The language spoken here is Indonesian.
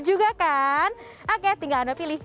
juga kan oke tinggal anda pilih